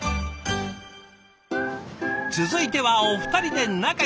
続いてはお二人で仲良く。